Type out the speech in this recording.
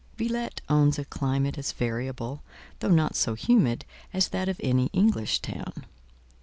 Villette owns a climate as variable, though not so humid, as that of any English town.